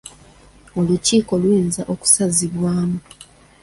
Olukiiko luyinza okusazibwamu.